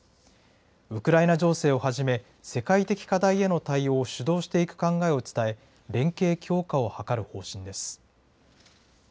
ウクライナ情勢をはじめ、世界的課題への対応を主導していく考えを伝え、連携強化を図る方針です。